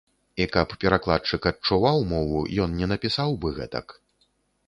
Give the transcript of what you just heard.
І каб перакладчык адчуваў мову, ён не напісаў бы гэтак.